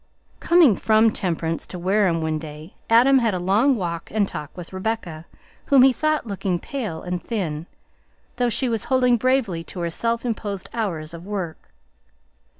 Coming from Temperance to Wareham one day, Adam had a long walk and talk with Rebecca, whom he thought looking pale and thin, though she was holding bravely to her self imposed hours of work.